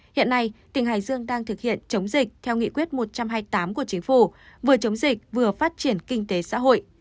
hiện nay tỉnh hải dương đang thực hiện chống dịch theo nghị quyết một trăm hai mươi tám của chính phủ vừa chống dịch vừa phát triển kinh tế xã hội